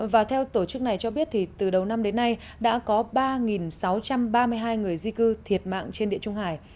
và theo tổ chức này cho biết thì từ đầu năm đến nay đã có ba sáu trăm ba mươi hai người di cư thiệt mạng trên địa trung hải